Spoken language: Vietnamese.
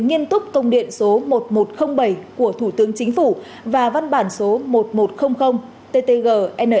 nghiêm túc công điện số một nghìn một trăm linh bảy của thủ tướng chính phủ và văn bản số một nghìn một trăm linh ttg